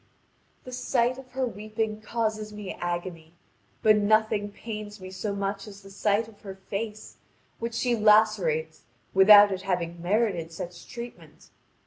The sight of her weeping causes me agony, but nothing pains me so much as the sight of her face, which she lacerates without its having merited such treatment.